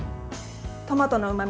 トマトのうまみ